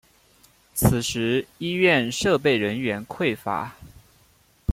此时医院设备人员匮乏。